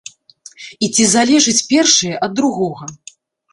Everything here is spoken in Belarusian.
І ці залежыць першае ад другога?